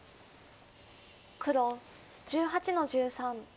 黒１８の十三。